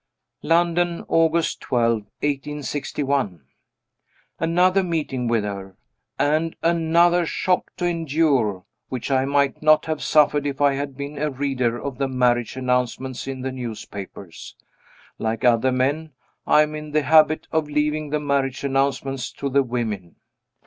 London, August 12, 1861. Another meeting with her. And another shock to endure, which I might not have suffered if I had been a reader of the marriage announcements in the newspapers. Like other men, I am in the habit of leaving the marriage announcements to the women.